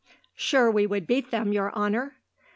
"Sure we would beat them, your honour."